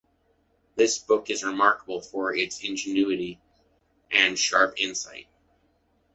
This book is remarkable for its ingenuity and sharp insights.